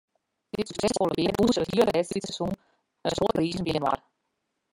Dit suksesfolle pear dûnse it hiele wedstriidseizoen in soad prizen byinoar.